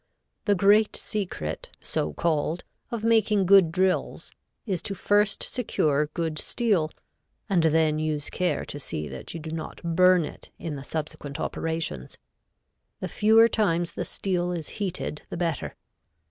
The great secret, so called, of making good drills, is to first secure good steel, and then use care to see that you do not burn it in the subsequent operations. The fewer times the steel is heated the better.